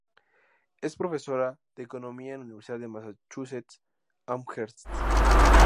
Es Profesora de economía en la Universidad de Massachusetts Amherst.